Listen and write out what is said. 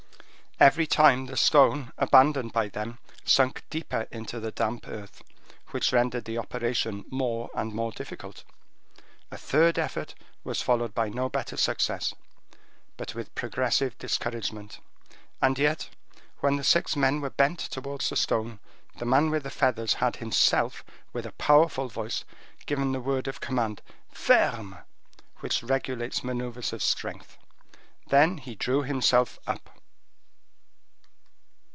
Every time, the stone, abandoned by them, sunk deeper into the damp earth, which rendered the operation more and more difficult. A third effort was followed by no better success, but with progressive discouragement. And yet, when the six men were bent towards the stone, the man with the feathers had himself, with a powerful voice, given the word of command, "Ferme!" which regulates maneuvers of strength. Then he drew himself up.